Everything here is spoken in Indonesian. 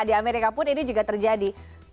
di amerika pun ini juga terjadi